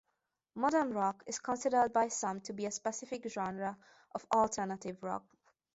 Modern rock is considered by some to be a specific genre of alternative rock.